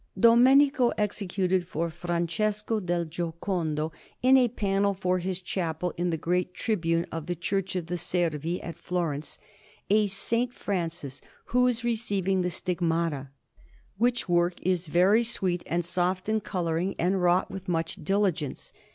Domenico executed for Francesco del Giocondo, in a panel for his chapel in the great tribune of the Church of the Servi at Florence, a S. Francis who is receiving the Stigmata; which work is very sweet and soft in colouring, and wrought with much diligence.